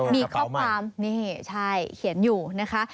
มีข้อความนี่ใช่เขียนอยู่นะคะ